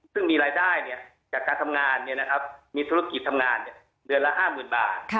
ซึ่งมีรายได้จากการทำงานมีธุรกิจทำงานเดือนละ๕๐๐๐บาท